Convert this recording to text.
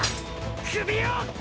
首を！